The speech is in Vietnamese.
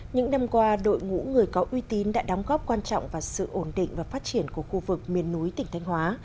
những năm qua đội ngũ người có uy tín đã đóng góp quan trọng vào sự ổn định và phát triển của khu vực miền núi tỉnh thanh hóa